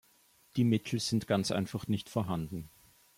Die Mittel sind ganz einfach nicht vorhanden.